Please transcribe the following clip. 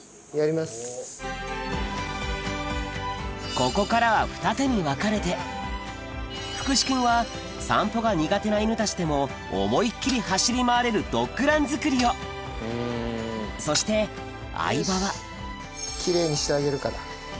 ここからはふた手に分かれて福士君は散歩が苦手な犬たちでも思いっ切り走り回れるドッグランづくりをそして相葉は奇麗にしてあげるから。